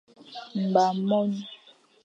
Mba mon.